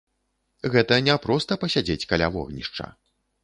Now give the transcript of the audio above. Гэта не проста пасядзець каля вогнішча.